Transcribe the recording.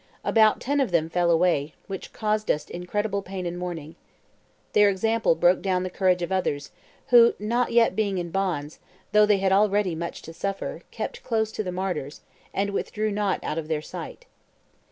About ten of them fell away, which caused us incredible pain and mourning. Their example broke down the courage of others, who, not being yet in bonds, though they had already had much to suffer, kept close to the martyrs, and withdrew not out of their sight.